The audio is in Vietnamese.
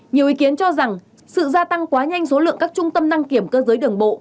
nhiều ý kiến cho rằng sự gia tăng quá nhanh số lượng các trung tâm đăng kiểm cơ giới đường bộ